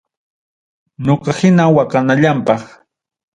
Ñoqa hina waqanallampaq.